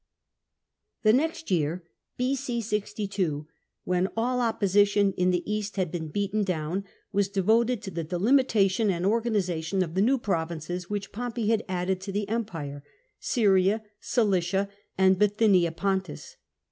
The next year, B.c. 62, when all opposition in the East had been beaten down, was devoted to the delimitation and organisation of the new provinces which Pompey had added to the Empire — Syria, Cilicia, and Bi thy nia Pontus.